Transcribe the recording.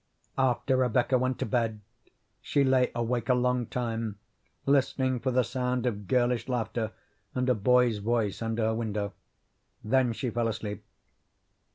After Rebecca went to bed, she lay awake a long time listening for the sound of girlish laughter and a boy's voice under her window; then she fell asleep.